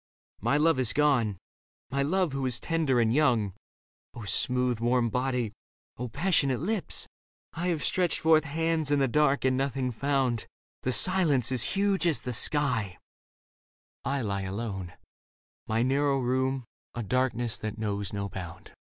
My love is gone, my love who is tender and young. smooth warm body ! O passionate lips ! 1 have stretched forth hands in the dark and nothing found : The silence is huge as the sky — I lie alone — My narrow room, a darkness that knows no bound.